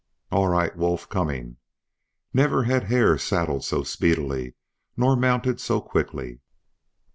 "All right, Wolf coming." Never had Hare saddled so speedily, nor mounted so quickly.